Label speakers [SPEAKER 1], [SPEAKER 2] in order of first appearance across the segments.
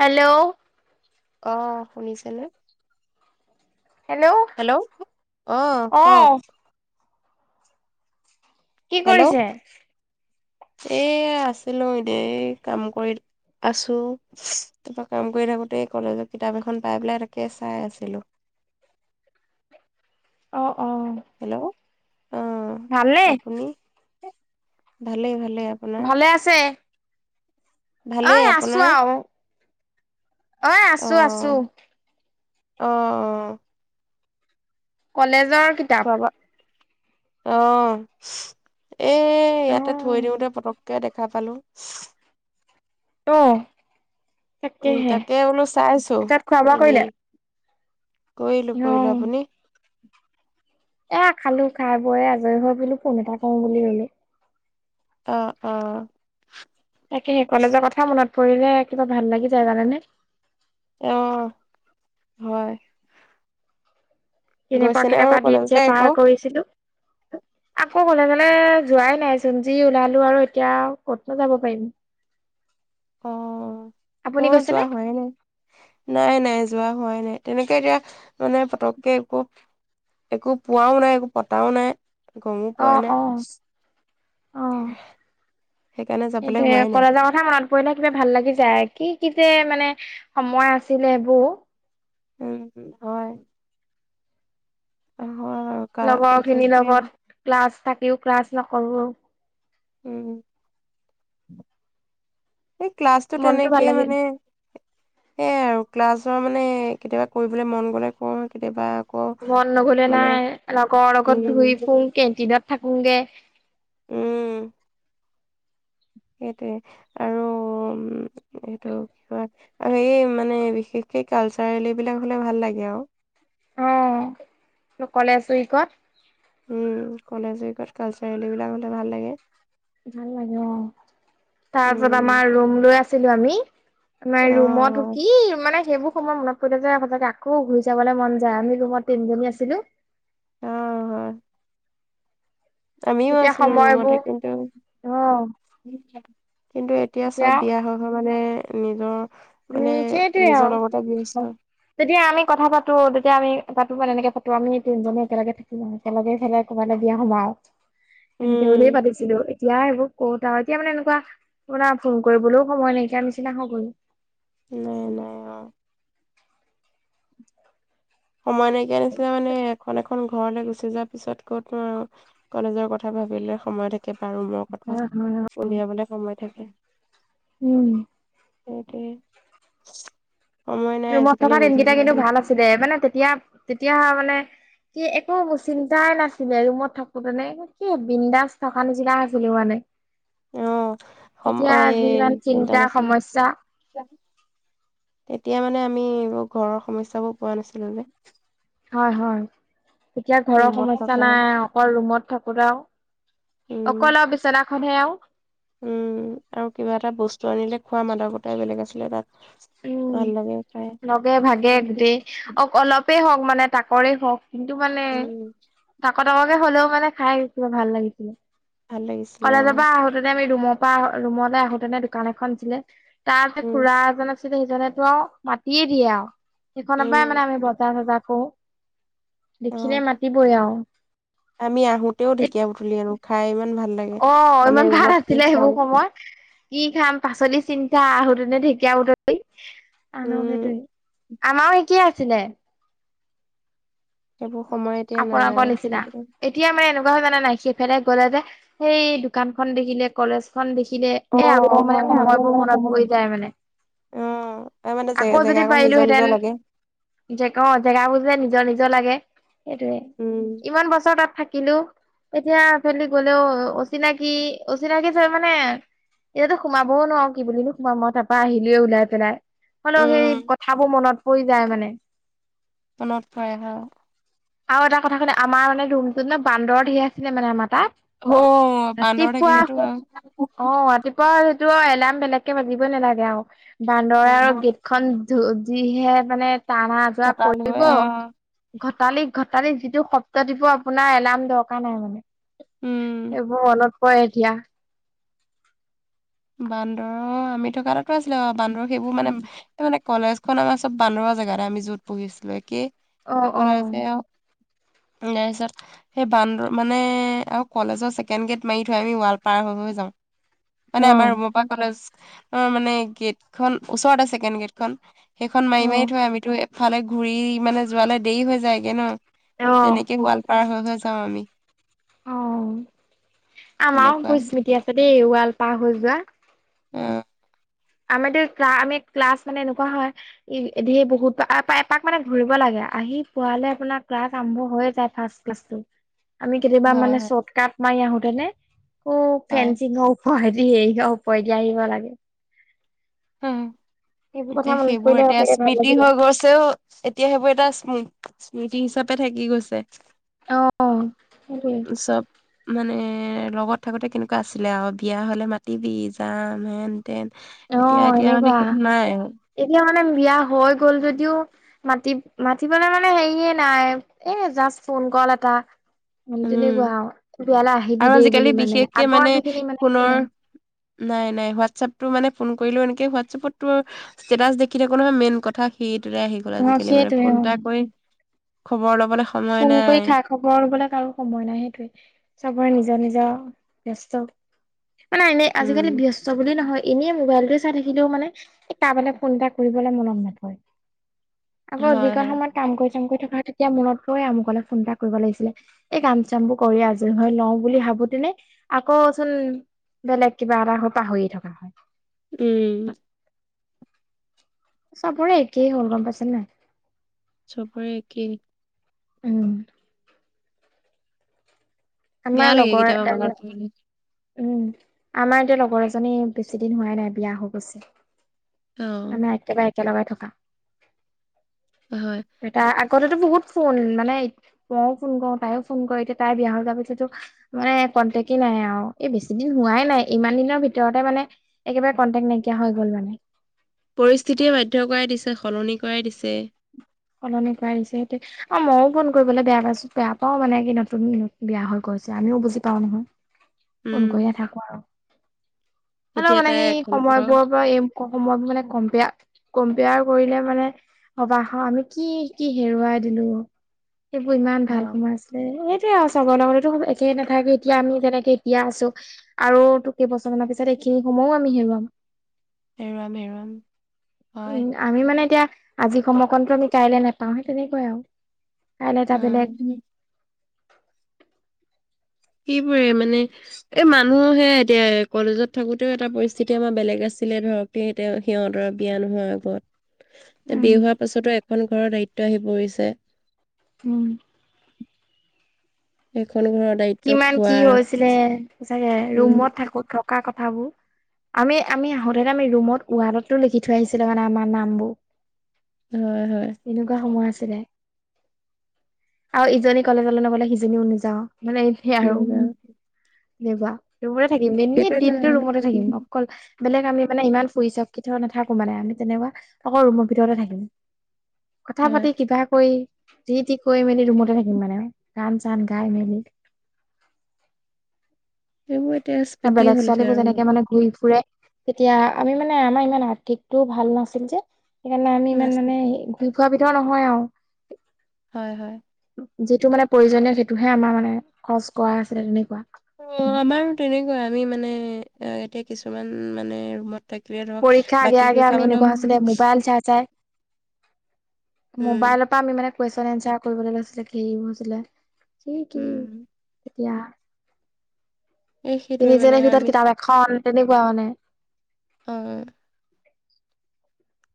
[SPEAKER 1] Hello
[SPEAKER 2] অ শুনিছানে hello অ কওক
[SPEAKER 1] অ' কি
[SPEAKER 2] হেল্ল'
[SPEAKER 1] কৰিছে?
[SPEAKER 2] এ আছিলো এনেই কাম কৰি আছো তাৰপৰা কাম কৰি থাকোঁতেই কলেজত কিতাপ এখন পাই পেলাই তাকে চাই আছিলোঁ।
[SPEAKER 1] অ অ
[SPEAKER 2] হেল্ল' অ
[SPEAKER 1] ভালনে?
[SPEAKER 2] আপুনি ভালেই ভালেই আপোনাৰ
[SPEAKER 1] ভালে আছে ঐ
[SPEAKER 2] ভালেই আপোনাৰ
[SPEAKER 1] অ আছো আছো
[SPEAKER 2] অ অ
[SPEAKER 1] কলেজৰ কিতাপ।
[SPEAKER 2] খোৱা বোৱা অ এ ইয়াতে থৈ
[SPEAKER 1] অ'
[SPEAKER 2] দিওঁতে পটককে দেখা পালো।
[SPEAKER 1] অ
[SPEAKER 2] উম
[SPEAKER 1] তাকেহে
[SPEAKER 2] তাকে বোলো চাইছো
[SPEAKER 1] এতিয়া খোৱা বোৱা কৰিলে।
[SPEAKER 2] কৰিলোঁ কৰিলোঁ আপুনি
[SPEAKER 1] এ খালো খাই বয় আজৰি হৈ বোলো ফোন এটা কৰো বুলো
[SPEAKER 2] অ অ
[SPEAKER 1] তাকেহে কলেজৰ কথা মনত পৰিলে কিবা ভাল লাগি যায় জানেনে
[SPEAKER 2] অ হয়
[SPEAKER 1] কেনেকুৱা
[SPEAKER 2] গৈছে নে
[SPEAKER 1] কেনেকুৱা
[SPEAKER 2] আৰু
[SPEAKER 1] দিন
[SPEAKER 2] কলেজ
[SPEAKER 1] যে পাৰ
[SPEAKER 2] আকৌ
[SPEAKER 1] কৰিছিলো
[SPEAKER 2] [inaudible]
[SPEAKER 1] আকৌ কলেজলৈ যোৱাই নাই চোন যি ওলালো আৰু এতিয়া ক'তনো যাব পাৰিম। [inaudible]
[SPEAKER 2] অ
[SPEAKER 1] আপুনি
[SPEAKER 2] মৰো
[SPEAKER 1] গৈছেনে?
[SPEAKER 2] যোৱা হোৱাই নাই নাই নাই যোৱা হোৱাই নাই তেনেকে এতিয়া মানে পতককে একো একো পোৱাও নাই একো পতাও নাই গমো পোৱা
[SPEAKER 1] অ'
[SPEAKER 2] নাই।
[SPEAKER 1] অ' অ
[SPEAKER 2] সেইকাৰণে যাবলে
[SPEAKER 1] সটোয়ে
[SPEAKER 2] হোৱাই নাই
[SPEAKER 1] কলেজৰ কথা মনত পৰিলে কিবা ভাল লাগি যায়। কি কি যে মানে সময় আছিলে এইবোৰ
[SPEAKER 2] উম হয় হয় হয়
[SPEAKER 1] লগৰ খিনিৰ লগত ক্লাছ থাকিও ক্লাছ নকৰো
[SPEAKER 2] উম এই ক্লাছটো
[SPEAKER 1] মনটো ভাল
[SPEAKER 2] তেনেকে
[SPEAKER 1] লাগে।
[SPEAKER 2] মানে সেইয়াই আৰু ক্লাছৰ মানে কেতিয়াবা কৰিবলৈ মন গলে কওঁ কেতিয়াবা আকৌ
[SPEAKER 1] মন নগলে
[SPEAKER 2] মানে
[SPEAKER 1] নাই লগৰ লগত ধুই
[SPEAKER 2] উম
[SPEAKER 1] ফো কেন্টিনত থাকোগে।
[SPEAKER 2] উম সেইটোৱে আৰু উম এইটো কি হয় আৰু এই মানে বিশেষকে কালচাৰেল এইবিলাক হ'লে ভাল লাগে আৰু
[SPEAKER 1] অ', কলেজ উইকত।
[SPEAKER 2] উম কলেজ উইকত কালচাৰেলবিলাকতে ভাল লাগে।
[SPEAKER 1] ভাল লাগে অ তাৰপছত
[SPEAKER 2] উম
[SPEAKER 1] আমাৰ ৰুম লৈ আছিলো আমি আমাৰ
[SPEAKER 2] অ
[SPEAKER 1] ৰুমত কি মানে সেইবোৰ সময়ত মনত পৰিলে যে সঁচাকে আকৌ ঘূৰি যাবলৈ মন যায় আমি ৰুমত তিনিজনী আছিলোঁ।
[SPEAKER 2] অ', - অ'। আমিও
[SPEAKER 1] তেতিয়া
[SPEAKER 2] আছিলো
[SPEAKER 1] সময়বোৰ
[SPEAKER 2] ৰুমতে কিন্তু
[SPEAKER 1] অ',
[SPEAKER 2] কিন্তু এতিয়া চব
[SPEAKER 1] তেতিয়া
[SPEAKER 2] বিয়া হৈ মানে নিজৰ,
[SPEAKER 1] উম
[SPEAKER 2] মানে নিজৰ লগতে গৰি চা।
[SPEAKER 1] যেতিয়া আমি কথা পাতো তেতিয়া আমি পাতো মানে এনেকে পাতো আমি তিনিজনী একেলগে থাকিম। একেলগে ফে ক'ৰবালৈ বিয়া নোসোমাও, এনেকে
[SPEAKER 2] উম
[SPEAKER 1] বুলিয়েই পাতিছিলো এতিয়া এইবোৰ ক'ত আৰু এতিয়া মানে এনেকুৱা, আপোনাৰ ফোন কৰিবলৈও সময় নাইকিয় নিচিনা হৈ গ'ল।
[SPEAKER 2] নাই নাই। অ
[SPEAKER 1] [inaudible]
[SPEAKER 2] সময় নাইকিয়া নিছিনা মানে এখন এখন এখন ঘৰলৈ গুচি যোৱা পিছত ক'তো আৰু, কলেজৰ কথা ভাবিলে সময় থাকে। এটা ৰুমৰ কথা,
[SPEAKER 1] হয় হয়
[SPEAKER 2] উলিয়াবলে সময় থাকে।
[SPEAKER 1] উম।
[SPEAKER 2] তাকে।
[SPEAKER 1] ৰুমত থকা দিনকেইটা কিন্তু ভাল আছিলে মানে তেতিয়া, তেতিয়া মানে কি একো চিন্তাই নাছিলে ৰুমত থাকো তেনে কি বিন্দাস থকা নিচিনা আছিলো মানে।
[SPEAKER 2] অ'
[SPEAKER 1] এতিয়া
[SPEAKER 2] সময়
[SPEAKER 1] যিমান চিন্তা সমস্যা।
[SPEAKER 2] তেতিয়া মানে আমি এইবোৰ ঘৰৰ সমস্যবোৰ পোৱা নাছিলো যে।
[SPEAKER 1] হয়-হয়, তেতিয়া ঘৰৰ
[SPEAKER 2] ৰুমত
[SPEAKER 1] সমস্যা
[SPEAKER 2] থকা
[SPEAKER 1] নাই অকল ৰুমত থাকোতেও।
[SPEAKER 2] উম
[SPEAKER 1] অকল আৰু বিচনাখনহে আৰু।
[SPEAKER 2] উম, আৰু কিবা এটা বস্তু আনিলে খোৱা মাদকতাই বেলেগ আছিলে তাত।
[SPEAKER 1] উম
[SPEAKER 2] ভাল লাগে খায়।
[SPEAKER 1] অকল অলপেই হওক মানে তাকৰে হওক কিন্তু মানে
[SPEAKER 2] উম
[SPEAKER 1] তাক তাককে হ'লেও মানে খাই আহি কিবা ভাল লাগিছিলে,
[SPEAKER 2] ভাল লাগিছিলে অ
[SPEAKER 1] কলেজৰ পৰা তেনে আমি ৰুমৰ পৰা আহো ৰুমলে আহোতেনে দোকান এখন আছিলে, তাৰ যে
[SPEAKER 2] উম
[SPEAKER 1] খুৰা এজনক সিজনেতো আৰু মাতিয়ে দিয়ে আৰু, সেইখনৰ পৰাই
[SPEAKER 2] উম
[SPEAKER 1] মানে আমি বজাৰ- চজাৰ কৰো। দেখিলে
[SPEAKER 2] অ
[SPEAKER 1] মাতিবই আৰু।
[SPEAKER 2] আমি আহোতেও
[SPEAKER 1] এই
[SPEAKER 2] ঢেকীয়া বুটলি আনো খাই ইমান ভাল লাগে,
[SPEAKER 1] অ
[SPEAKER 2] মানে
[SPEAKER 1] ইমান ভাল
[SPEAKER 2] ৰুমত কি
[SPEAKER 1] আছিলে
[SPEAKER 2] খাম।
[SPEAKER 1] সেইবোৰ সময় কি খাম পাচলি চিন্তা আহোঁতেনে ঢেকীয়া বুটলি আনো সেইটোৱে,
[SPEAKER 2] উম
[SPEAKER 1] আমাৰও একেয়ে আছিলে।
[SPEAKER 2] সেইবোৰ সময় এতিয়া নাই
[SPEAKER 1] আপোনালোকৰ নিচিনা
[SPEAKER 2] আৰু।
[SPEAKER 1] এতিয়া মানে এনেকুৱা হয় জানে নাই সেইফালে গলে যে, সেই দোকানখন দেখিলে কলেজ খন দেখিলে
[SPEAKER 2] অ
[SPEAKER 1] এ আকৌ মানে
[SPEAKER 2] হয় হয়
[SPEAKER 1] সময়বোৰ মনত পৰি যায় মানে।
[SPEAKER 2] অ তাৰ মানে জে
[SPEAKER 1] আকৌ
[SPEAKER 2] জেগা
[SPEAKER 1] যদি
[SPEAKER 2] কন নিজৰ
[SPEAKER 1] পাৰিলোহেঁতেন,
[SPEAKER 2] নিজৰ লাগে
[SPEAKER 1] জে অ', জেগাবোৰ যে নিজৰ-নিজৰ লাগে। সেইটোৱে,
[SPEAKER 2] উম
[SPEAKER 1] ইমান বছৰ তাত থাকিলোঁ। এতিয়া সেইফালেদি গ'লেও অচিনাকি-অচিনাকি চ মানে এতিয়াতো সোমাবও নোৱাৰো কি বুলিনো সোমাম মই তাপৰা আহিলোৱে ওলাই পেলাই। হলেও সেই
[SPEAKER 2] উম
[SPEAKER 1] কথাবোৰ মনত পৰি যায় মানে।
[SPEAKER 2] মনত পৰে হয়।
[SPEAKER 1] আৰু এটা কথা শুনা আমাৰ মানে ৰুমটোত ন বান্দৰ ঢেৰ আছিলে মানে আমাৰ তাত।
[SPEAKER 2] অ', বান্দৰ
[SPEAKER 1] ৰাতিপুৱা
[SPEAKER 2] থাকিলেটো আৰু
[SPEAKER 1] অ', ৰাতিপুৱা সেইটো এলাৰ্ম বেলেগকে বাজিবই নালাগে আৰু, বান্দৰে
[SPEAKER 2] উম
[SPEAKER 1] আৰু গেট খন ধু যিহে মানে টানা আজোৰা
[SPEAKER 2] চতাল হৈ
[SPEAKER 1] কৰিব।
[SPEAKER 2] অ
[SPEAKER 1] ঘটালি ঘটালি যিটো শব্দ দিব আপোনাৰ এলাৰ্ম দৰকাৰ নাই মানে।
[SPEAKER 2] উম
[SPEAKER 1] এইবোৰ মনত পৰে এতিয়া।
[SPEAKER 2] বান্দৰ, আমি থকা তাতো আছিলে অ বান্দৰ সেইবোৰ মানে তাৰ মানে কলেজখন আমাৰ চব বান্দৰৰ জেগাতে আমি যত পঢ়িছিলো, একে
[SPEAKER 1] অ অ
[SPEAKER 2] কলেজে আও নাইছা সেই বান্দৰ মানে আৰু কলেজৰ ছেকেণ্ড গে'ট মাৰি থয় আমি ৱাল পাৰ হৈ হৈ যাওঁ। মানে
[SPEAKER 1] অ
[SPEAKER 2] আমাৰ ৰুমৰপা কলেজ, আমাৰ মানে গেটখন ওচৰতে ছেকেণ্ড গেটখন। সেইখন মাৰি
[SPEAKER 1] অ
[SPEAKER 2] মাৰি থয় আমিতো এফালে ঘূৰি মানে যোৱালে দেৰি হৈ যায়গে ন।
[SPEAKER 1] অ
[SPEAKER 2] তেনেকে ওৱাল পাৰ হৈ হৈ যাওঁ আমি।
[SPEAKER 1] অ, আমাৰো
[SPEAKER 2] তেনেকুৱা
[SPEAKER 1] কু স্মৃতি আছে দেই ওৱাল পাৰ হৈ যোৱা।
[SPEAKER 2] অ।
[SPEAKER 1] আমাৰতো ক্লা আমি ক্লাছ মানে এনেকুৱা হয় ই ধেৰ বহুত আপা এপাক মানে ঘূৰিব লাগে, আহি পোৱালে আপোনাৰ ক্লাছ আৰম্ভ হৈয়ে যায়। ফাৰ্ষ্ট ক্লাছটো। আমি কেতিয়াবা
[SPEAKER 2] হয়
[SPEAKER 1] মানে
[SPEAKER 2] হয়
[SPEAKER 1] চৰ্ট কাট মাৰি আহোতেনে, ঔ
[SPEAKER 2] হয়।
[SPEAKER 1] ফেঞ্চিং হওক [unintelligible] হেৰি অ ওপৰেদি আহিব লাগে।
[SPEAKER 2] হুম
[SPEAKER 1] সেইবোৰ কথা
[SPEAKER 2] এতিয়া
[SPEAKER 1] মনত
[SPEAKER 2] সেইবোৰ
[SPEAKER 1] পৰিলে
[SPEAKER 2] এতিয়া
[SPEAKER 1] সঁচাকে ভাল
[SPEAKER 2] স্মৃতি
[SPEAKER 1] লাগিলে।
[SPEAKER 2] হৈ গৈছ তেও এতিয়া সেইবোৰ এটা স্মৃ স্মৃতি হিচাপে থাকি গৈছে।
[SPEAKER 1] অ সেইটোৱে।
[SPEAKER 2] হিচাপ মানে লগত থাকোতে কেনেকুৱা আছিলে আৰু বিয়া হলে মাতিবি যাম হেন - তেন এতিয়া
[SPEAKER 1] অ',
[SPEAKER 2] এতিয়া মানে
[SPEAKER 1] এনেকুৱা
[SPEAKER 2] সিত নাই আৰু।
[SPEAKER 1] এতিয়া মানে বিয়া হৈ গ'ল যদিও মাতি মাতিবলে মানে হেৰিয়ে নাই, এ জাষ্ট ফোন কল এটা। উম তেনেকুৱা আৰু তোৰ বিয়ালৈ আহিবি
[SPEAKER 2] আৰু
[SPEAKER 1] দেই
[SPEAKER 2] আজিকালি
[SPEAKER 1] বুলি মানে
[SPEAKER 2] বিশেষকে মানে
[SPEAKER 1] আগৰ যিখিনি মানে সেইটো
[SPEAKER 2] ফোনৰ
[SPEAKER 1] নাই।
[SPEAKER 2] নাই নাই হোৱাটছএপটো মানে ফোন কৰিলেও এনেকে হোৱাটছএপততো ষ্টেটাচ দেখি থাকো নহয় মেইন কথা সেইটোলে আহি গ'ল
[SPEAKER 1] অ',
[SPEAKER 2] আজিকালি মানে
[SPEAKER 1] সেইটোৱে
[SPEAKER 2] ফোন
[SPEAKER 1] অ',
[SPEAKER 2] এটা কৰি খবৰ ল'বলে
[SPEAKER 1] ফোন কৰি থাক। খবৰ লবলে কাৰো সময় নাই সেইটোয়ে চবৰে নিজৰ - নিজৰ ব্যস্ত। মানে এনেই
[SPEAKER 2] উম
[SPEAKER 1] আজিকালি ব্যস্ত বুলি নহয় এনেই মোবাইলটোৱে চাই থাকিলেও মানে এই কাৰবালে ফোন এটা কৰিবলৈ মনত নপৰে। আকৌ
[SPEAKER 2] হয়
[SPEAKER 1] যিকন
[SPEAKER 2] হয়
[SPEAKER 1] সময়ত কাম কৰি চাম কৰি থকা হয় তেতিয়া মনত পৰে আমুকলে ফোন এটা কৰিব লাগিছিলে। এই কাম - চামবোৰ কৰি আজৰি হৈ লওঁ বুলি ভাবোতেনে আকৌচোন বেলেগ কিবা এটা হৈ পাহৰি থকা হয়।
[SPEAKER 2] উম।
[SPEAKER 1] চবৰে একেই হ'ল গম পাইছা নে নাই?
[SPEAKER 2] চবৰে একেই।
[SPEAKER 1] উম। আমাৰ
[SPEAKER 2] বেয়া লাগে
[SPEAKER 1] লগৰ এ
[SPEAKER 2] কেতিয়াবা [unintelligible]
[SPEAKER 1] উম, আমাৰ এতিয়া লগৰ এজনী বেছি দিন হোৱাই নাই বিয়া হৈ গৈছে।
[SPEAKER 2] অ
[SPEAKER 1] আমি একেবাৰে একেলগেই থকা।
[SPEAKER 2] অ হয়।
[SPEAKER 1] এ তাই আগতেতো বহুত ফোন মানে মইও ফোন কৰো তাইও ফোন কৰে এতিয়া তাইৰ বিয়া হৈ যোৱাৰ পিছতো মানে কণ্টেকেই নাই আৰু। এই বেছি দিন হোৱাই নাই ইমান দিনৰ ভিতৰতে মানে একেবাৰে কণ্টেক্ট নাইকিয়া হৈ গল মানে।
[SPEAKER 2] পৰিস্থিতিয়ে বাধ্য কৰাই দিছে, সলনি কৰাই দিছে।
[SPEAKER 1] সলনি কৰা দিছে সেইটোৱেই। অঁ মইও ফোন কৰিবলে বেয়া পাইছো বেয়া পাও মানে, কি নতুন বিয়া হৈ গৈছে আমিও বুজি পাওঁ নহয়। ফোন
[SPEAKER 2] উম
[SPEAKER 1] কৰি নেথাকো আৰু, হলেও
[SPEAKER 2] এতিয়া
[SPEAKER 1] মানে
[SPEAKER 2] তাই
[SPEAKER 1] সেই
[SPEAKER 2] এখন ঘৰ
[SPEAKER 1] সময়বোৰৰ পৰা এই- সময়ক মানে কম্পেয়াৰ কম্পেয়াৰ কৰিলে মানে অবাক হওঁ আমি- কি কি হেৰুৱাই দিলো, সেইবোৰ ইমান ভাল
[SPEAKER 2] অ',
[SPEAKER 1] সময় আছিল। এ এইটোয়ে আৰু চবৰ লগতে এইটো একেই নাথাকে এতিয়া আমি যেনেকে এতিয়া আছো- আৰু টো কেইবছৰমানৰ পিছত এইখিনি সময়ো আমি হেৰুৱাম।
[SPEAKER 2] হেৰুৱাম হেৰুৱাম হয়।
[SPEAKER 1] উম আমি মানে এতিয়া আজি সময়কণটো আমি কাইলে নাপাওঁ, সেই তেনেকুৱাই আৰু কাইলে এটা বেলেগ-
[SPEAKER 2] সেইবোৰেই মানে- এ মানুহে এতিয়া কলেজত থাকোতেও এটা পৰিস্থিতি আমাৰ বেলেগ আছিলে ধৰক, - এই এতিয়া সিহঁতৰ বিয়া নোহোৱা আগত।
[SPEAKER 1] [inaudible]
[SPEAKER 2] তে বিয়া হোৱাৰ পাছতো এখন ঘৰৰ দায়িত্ব আহি পৰিছে।
[SPEAKER 1] উম'
[SPEAKER 2] এখন ঘৰৰ দায়িত-
[SPEAKER 1] কিমান কি হৈছিলে, সচাকে
[SPEAKER 2] উম,
[SPEAKER 1] ৰুমত থাকো থকা কথাবোৰ। আমি আমি আহোঁতেটো আমি ৰুমত ৱালটো লিখি থৈ আহিছিলোঁ মানে আমাৰ নামবোৰ।
[SPEAKER 2] হয় হয়।
[SPEAKER 1] তেনেকুৱা সময় আছিলে, আৰু ইজনী কলেজলৈ নগলে সিজনীও নযাওঁ। মানে এনেই আৰু
[SPEAKER 2] তেনেকুৱা
[SPEAKER 1] এনেকুৱা। ৰুমতে থাকিম দিনে
[SPEAKER 2] সেইটো এটা
[SPEAKER 1] দিনটো ৰুমতে থাকিম। অকল- বেলেগ আমি মানে ইমান ফুৰি চুৰি কেতিয়াও নাথাকো মানে আমি তেনেকুৱা অকল ৰুমৰ ভিতৰতে থাকিম। কথা
[SPEAKER 2] হয়
[SPEAKER 1] পাতি কিবা কৰি যি টি কৰি মেলি ৰুমতে থাকিম মানে। গান ছান গাই মেলি-
[SPEAKER 2] সেইবো এতিয়া আছ-
[SPEAKER 1] তে বেলেগ ছোৱালীবোৰ যেনেকে মানে ঘূৰি ফুৰে- তেতিয়া আমি মানে আমাৰ ইমান আৰ্থিকটোও ভাল নাছিল যে সেইকাৰণে আমি ইমান
[SPEAKER 2] নাছিল
[SPEAKER 1] মানে- ঘুৰি ফুৱা বিধৰ নহয় আও।
[SPEAKER 2] হয় হয়।
[SPEAKER 1] যিটো মানে প্ৰয়োজনীয় সেইটোহে আমাৰ মানে খৰচ কৰা আছিলে তেনেকুৱা।
[SPEAKER 2] অঁ আমাৰো তেনেকুৱাই, আমি মানে এতিয়া কিছুমান মানে ৰুমত- থাকিলে ধৰক
[SPEAKER 1] পৰীক্ষা আগে
[SPEAKER 2] বাকী
[SPEAKER 1] আগে
[SPEAKER 2] কৰি
[SPEAKER 1] আমি এনেকুৱা আছিলে
[SPEAKER 2] খাবলেও- উম,
[SPEAKER 1] মোবাইল পা আমি মানে কুৱেশন এনচাৰ কৰিবলৈ লৈছিলো হেৰি হৈছিলে। কি কি
[SPEAKER 2] উম,
[SPEAKER 1] এতিয়া।
[SPEAKER 2] এই সেইটোৱে মানে
[SPEAKER 1] তিনিজনীৰ ভিতৰত
[SPEAKER 2] আমি
[SPEAKER 1] কিতাপ এখন তেনেকুৱা মানে।
[SPEAKER 2] অঁ'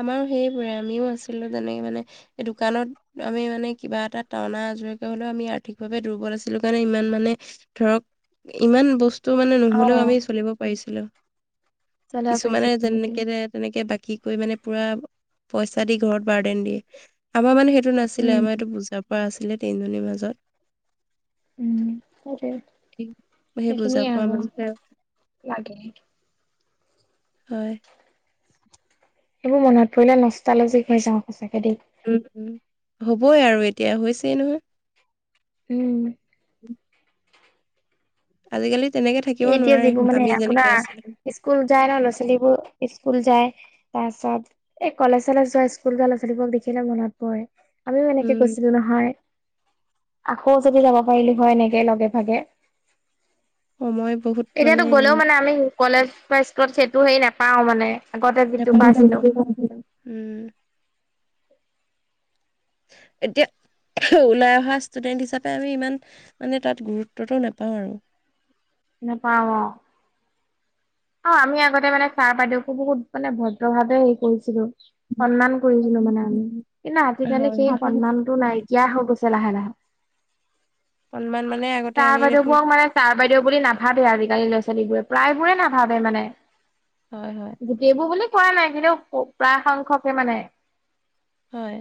[SPEAKER 2] আমাৰো সেইবোৰে আমিও আছিলো তেনেকে মানে এই দোকানত- আমি মানে কিবা এটা টনা আজোৱাকে হ'লেও আমি আৰ্থিকভাৱে দুৰ্বল আছিলো কাৰণে ইমান মানে- ধৰক ইমান বস্তু মানে নহলেও
[SPEAKER 1] অ',
[SPEAKER 2] আমি চলিব পাৰিছিলো।
[SPEAKER 1] চলাব পাৰিছে
[SPEAKER 2] কিছুমানে
[SPEAKER 1] সেইটোৱে
[SPEAKER 2] যেনেকেৰেত- তেনেকে বাকী কৰি মানে পুৰা পইচা দি ঘৰত বাৰ্ডেন দিয়ে। আমাৰ মানে সেইটো না- আছিলে
[SPEAKER 1] উম
[SPEAKER 2] আমাৰ এইটো বুজা পৰা আছিলে তিনজনীৰ মাজত।
[SPEAKER 1] উম, সেইটোৱে
[SPEAKER 2] সেই বুজা
[SPEAKER 1] সেইখিনিয়ে
[SPEAKER 2] পোৱাৰ
[SPEAKER 1] আক
[SPEAKER 2] মাজতে
[SPEAKER 1] লাগে।
[SPEAKER 2] হয়।
[SPEAKER 1] এইবোৰ মনত পৰিলে নষ্টালজিক হৈ যাওঁ সঁচাকে দেই
[SPEAKER 2] উম উম, হ'বই আৰু এতিয়া হৈছেই নহয়।
[SPEAKER 1] উম
[SPEAKER 2] উ [inaudible] আজিকালি তেনেকে থাকিব
[SPEAKER 1] এতিয়া
[SPEAKER 2] নোৱাৰে,
[SPEAKER 1] যিবোৰ মানে
[SPEAKER 2] আমি যেনেকে
[SPEAKER 1] আপোনাৰ
[SPEAKER 2] আছিলো।
[SPEAKER 1] স্কুল যায় ন' ল'ৰা ছোৱালীবোৰ স্কুল যায়। তাৰছত এই কলেজ চালেজ যোৱা স্কুল ল'ৰা ছোৱালী বোৱক দেখিলে মনত পয়। আমিও এনেকে
[SPEAKER 2] উম
[SPEAKER 1] গৈছিলো নহয়, আকৌ যদি যাব পাৰিলো হয় এনেকে লগে ভাগে
[SPEAKER 2] সময় বহুত মানে
[SPEAKER 1] এতিয়াতো গ'লেও মানে আমি কলেজ বা স্কুলত সেইটো হেৰি নেপাওঁ মানে। আগতে যিটো পাইছিলো।
[SPEAKER 2] [unintelligible] উম এতিয়া। [unintelligible] ওলাই অহা ষ্টুডেণ্ট হিচাপে আমি ইমান মানে তাত গুৰুত্বটো নোপাওঁ আৰু
[SPEAKER 1] নেপাওঁ অঁ। অ' আমি আগতে মানে চাৰ বাইদেউকো বহুত মানে ভদ্ৰ ভাৱে হেৰি কৰিছিলো সন্মান কৰিছিলো মানে আমি কিন্তু আজিকালি
[SPEAKER 2] হয়
[SPEAKER 1] সেই সন্মানটো নাইকিয়া হৈ গৈছে লাহে লাহে।
[SPEAKER 2] সন্মান মানে আগতে
[SPEAKER 1] তাৰ
[SPEAKER 2] আমি দেখোন
[SPEAKER 1] বাইদেউবোৰক মানে তাৰ বাইদেউ বুলি নাভাবেই আজিকালি ল'ৰাৱালী বোৰে প্ৰায়বোৰে নাভাবে মানে।
[SPEAKER 2] হয় হয়।
[SPEAKER 1] গোটেইবোৰ বুলি কোৱা নাই কিন্তু, প্ৰায় সংখ্যকে মানে।
[SPEAKER 2] হয়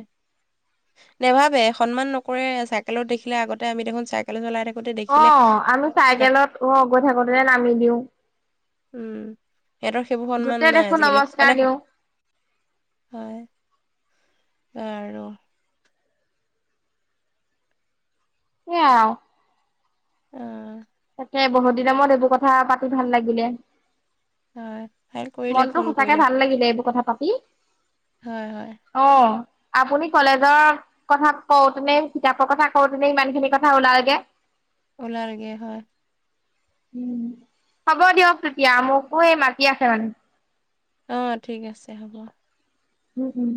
[SPEAKER 2] নেভাবে। সন্মান নকৰে চাইকেলত দেখিলে আগতে আমি দেখোন চাই কেল চলাই থাকোতে দেখিলে
[SPEAKER 1] অঁ গৈ থাকোতেই নামি দিওঁ।
[SPEAKER 2] উম, হেঁতৰ সেইবো সন্মান
[SPEAKER 1] য'তে
[SPEAKER 2] নাই
[SPEAKER 1] দেখো
[SPEAKER 2] আজিকালি
[SPEAKER 1] নমস্কাৰ
[SPEAKER 2] মানে
[SPEAKER 1] দিওঁ
[SPEAKER 2] হয় আৰু
[SPEAKER 1] এ আও
[SPEAKER 2] অঁ
[SPEAKER 1] তাকে বহুত দিনৰ মোৰত এইবোৰ কথা পাতি ভাল লাগিলে।
[SPEAKER 2] হয় হে ক'
[SPEAKER 1] মনটো সঁচাকে ভাল লাগিলে, এইবোৰ কথা পাতি।
[SPEAKER 2] হয় হয়।
[SPEAKER 1] অঁ আপুনি কলেজত কথা কওঁতেনে, কিতাপৰ কথা কওঁতেনে, ইমান খিনি কথা ওলালেগে।
[SPEAKER 2] ওলালেগে হয়।
[SPEAKER 1] উম হ'ব দিয়ক তিতিয়া, মোকো এই মাতি আছে মানে।
[SPEAKER 2] অঁ ঠিক আছে হ'ব।
[SPEAKER 1] উম উম।